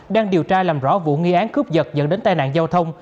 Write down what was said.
đang điều tra làm rõ vụ nghi án cướp giật dẫn đến tai nạn giao thông